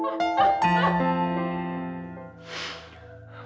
tidak akan pernah